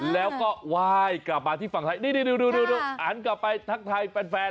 แล้วก็ว่ายกลับมาที่ฝั่งไทยอันกลับไปทักทายแฟน